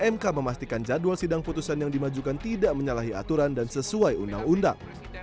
mk memastikan jadwal sidang putusan yang dimajukan tidak menyalahi aturan dan sesuai undang undang